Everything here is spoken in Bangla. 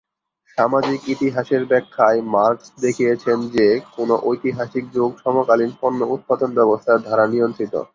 সামাজিক ইতিহাসের ব্যাখ্যায় মার্ক্স দেখিয়েছেন, যে কোনো ঐতিহাসিক যুগ সমকালীন পণ্য-উৎপাদন ব্যবস্থার দ্বারা নিয়ন্ত্রিত।